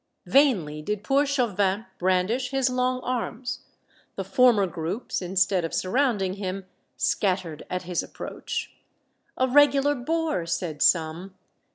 Vainly did poor Chauvin brandish his long arms ; the former groups, instead of surrounding him, scattered at his approach. " A regular bore !" said some.